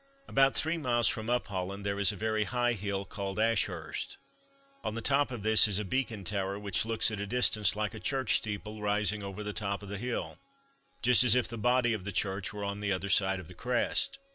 About three miles from Upholland there is a very high hill called Ashurst. On the top of this is a beacon tower which looks at a distance like a church steeple rising over the top of the hill, just as if the body of the church were on the other side of the crest.